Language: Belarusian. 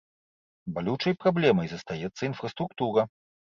Балючай праблемай застаецца інфраструктура.